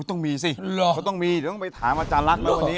ต้องมีสิเขาต้องมีเดี๋ยวต้องไปถามอาจารย์รักไหมวันนี้